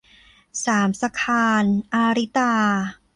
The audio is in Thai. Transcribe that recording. สามสะคราญ - อาริตา